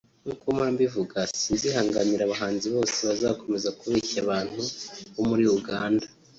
Nk’uko mpora mbivuga sinzihanganira abahanzi bose bazakomeza kubeshya abantu bo muri Uganda